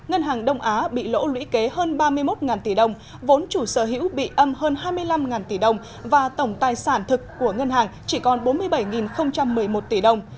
ngân hàng đông á bị lỗ lũy kế hơn ba mươi một tỷ đồng vốn chủ sở hữu bị âm hơn hai mươi năm tỷ đồng và tổng tài sản thực của ngân hàng chỉ còn bốn mươi bảy một mươi một tỷ đồng